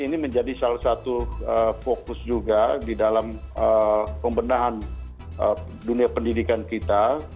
ini menjadi salah satu fokus juga di dalam pembenahan dunia pendidikan kita